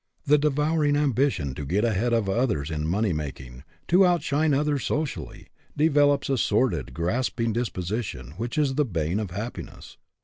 The devouring ambition to get ahead of others in money making, to outshine others socially, develops a sordid, grasping dis position which is the bane of happiness.